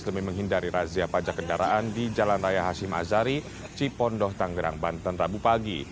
demi menghindari razia pajak kendaraan di jalan raya hashim azari cipondoh tanggerang banten rabu pagi